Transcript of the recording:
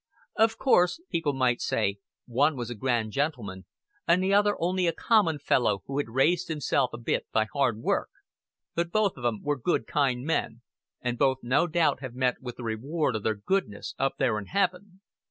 "Of course," people might say, "one was a grand gentleman, and the other only a common fellow who had raised himself a bit by hard work; but both of 'em were good kind men, and both no doubt have met with the reward of their goodness up there in Heaven."